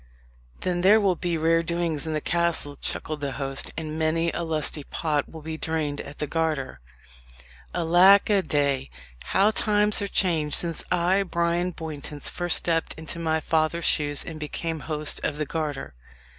"Then there will be rare doings in the castle," chuckled the host; "and many a lusty pot will be drained at the Garter. Alack a day! how times are changed since I, Bryan Bowntance, first stepped into my father's shoes, and became host of the Garter.